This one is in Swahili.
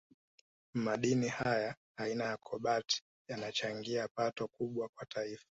Madini haya aina ya Kobalti yanachangia pato kubwa kwa Taifa